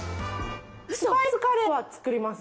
スパイスカレーは作ります。